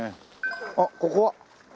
あっここは？